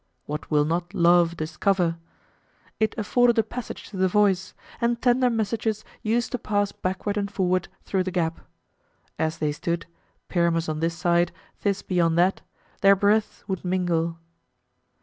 What will not love discover! It afforded a passage to the voice; and tender messages used to pass backward and forward through the gap. As they stood, Pyramus on this side, Thisbe on that, their breaths would mingle.